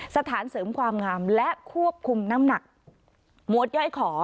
สถานเสริมความงามและควบคุมน้ำหนักมวดย่อยขอ